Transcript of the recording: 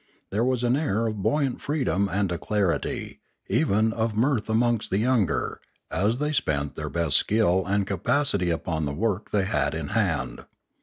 There was an air of buoyant freedom and alacrity, even of mirth amongst the younger, as they spent their best skill and capacity upon the work they had in hand.